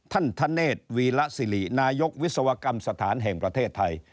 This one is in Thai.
ธเนธวีระสิรินายกวิศวกรรมสถานแห่งประเทศไทย